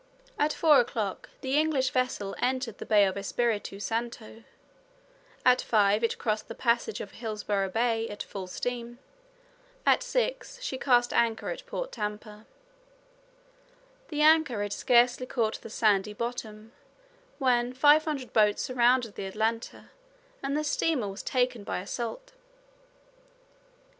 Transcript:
At four o'clock the English vessel entered the Bay of Espiritu Santo. At five it crossed the passage of Hillisborough Bay at full steam. At six she cast anchor at Port Tampa. The anchor had scarcely caught the sandy bottom when five hundred boats surrounded the Atlanta, and the steamer was taken by assault.